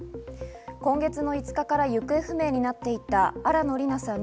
今月の５日から行方不明になっていた新野りなさん